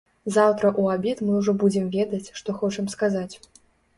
Заўтра ў абед мы ўжо будзем ведаць, што хочам сказаць.